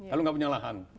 kalau gak punya lahan